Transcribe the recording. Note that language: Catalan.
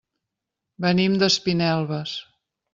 Venim d'Espinelves.